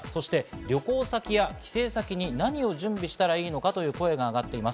旅行先や帰省先に何を準備したらいいのか？という声が上がっています。